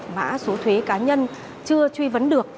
mã số thuế cá nhân chưa truy vấn được